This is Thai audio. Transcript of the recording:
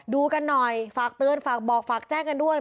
ดูกันหน่อยฝากเตือนฝากบอกฝากแจ้งกันด้วย